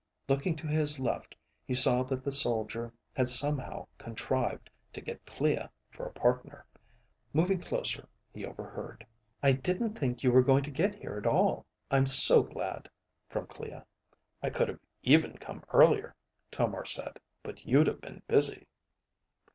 Looking to his left, he saw that the soldier had somehow contrived to get Clea for a partner. Moving closer, he overheard. "I didn't think you were going to get here at all. I'm so glad," from Clea. "I could have even come earlier," Tomar said. "But you'd have been busy."